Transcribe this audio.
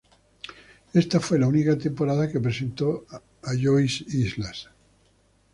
Está fue la única temporada que presentó a Joyce Islas.